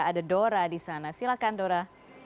ada dora di sana silahkan dora